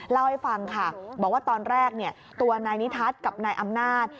เล่าให้ฟังค่ะบอกว่าตอนแรกตัวนายนิทัศน์กับนายอำนาจ